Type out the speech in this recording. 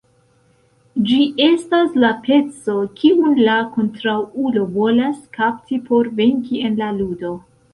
Ĝi estas la peco, kiun la kontraŭulo volas kapti por venki en la ludo.